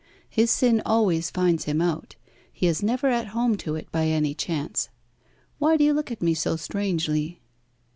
His sin always finds him out. He is never at home to it by any chance. Why do you look at me so strangely?"